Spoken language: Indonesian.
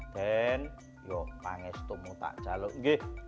dan ya panggil setemu tak jaluk ngeh